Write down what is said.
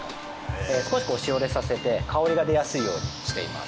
少しこうしおれさせて香りが出やすいようにしています。